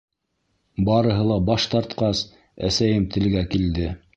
Барыһы ла баш тартҡас, әсәйем телгә килде.